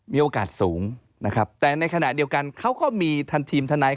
มีโอกาสสูงนะครับแต่ในขณะเดียวกันเขาก็มีทันทีมทนาย